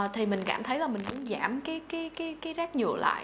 thì mình cảm thấy là mình cũng giảm cái rác nhựa lại